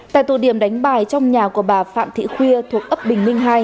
tại tụ điểm đánh bài trong nhà của bà phạm thị khuya thuộc ấp bình minh hai